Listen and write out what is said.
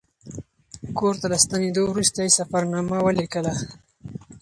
کور ته له ستنېدو وروسته یې سفرنامه ولیکله.